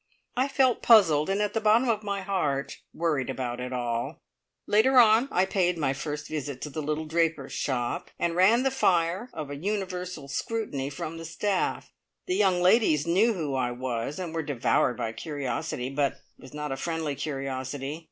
I felt puzzled, and, at the bottom of my heart, worried about it all! Later on I paid my first visit to the little draper's shop, and ran the fire of a universal scrutiny from the staff. The "young ladies" knew who I was, and were devoured by curiosity, but it was not a friendly curiosity!